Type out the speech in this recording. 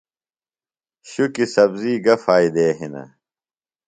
شُکیۡ سبزی گہ فائدے ہِنہ؟